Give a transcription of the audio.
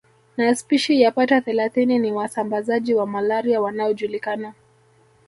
Na spishi yapata thelathini ni wasambazaji wa malaria wanaojulikana